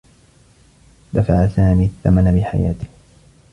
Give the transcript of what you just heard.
دفع سامي الثّمن بحياته.